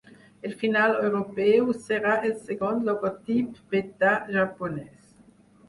El final europeu serà el segon logotip beta japonès.